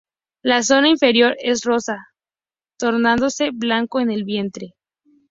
La zona inferior es rosa, tornándose blanco en el vientre.